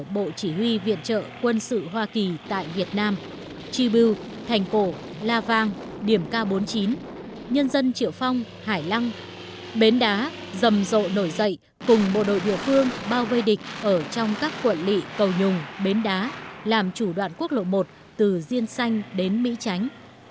bộ chỉ huy viện trợ quân sự hoa kỳ tại việt nam chi bưu thành cổ la vang điểm k bốn mươi chín nhân dân triệu phong hải lăng bến đá dầm rộ nổi dậy cùng bộ đội địa phương bao vây địch ở trong các quận lị cầu nhùng bến đá làm chủ đoàn quốc lộ một từ diên xanh đến mỹ chánh